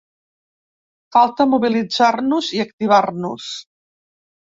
Falta mobilitzar-nos i activar-nos.